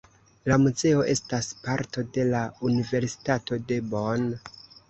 La muzeo estas parto de la Universitato de Bonn.